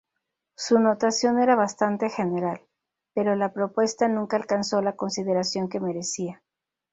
Su notación era bastante general, pero la propuesta nunca alcanzó la consideración que merecía.